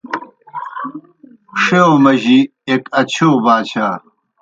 ݜِیؤ مجی ایْک اچِھیو باچھا